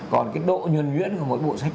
còn cái độ nhuồn nhuyễn của mỗi bộ sách